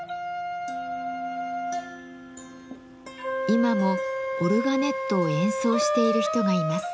今もオルガネットを演奏している人がいます。